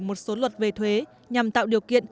một số luật về thuế nhằm tạo điều kiện